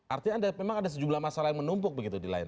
artinya memang ada sejumlah masalah yang menumpuk begitu di lain